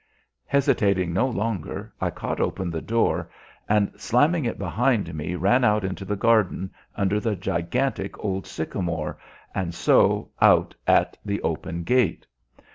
Hesitating no longer, I caught open the door and, slamming it behind me, ran out into the garden, under the gigantic old sycamore, and so out at the open gate.